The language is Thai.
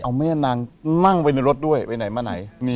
เอาแม่นางนั่งไว้ในรถด้วยไปไหนมาไหน